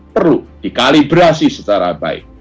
perlu di kalibrasi secara baik